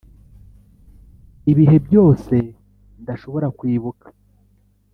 ibihe byose ndashobora kwibuka,